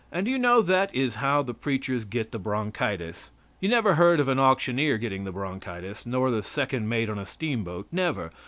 And do you know that is how the preachers get the bronchitis. You never heard of an auctioneer getting the bronchitis, nor the second mate on a steamboat never.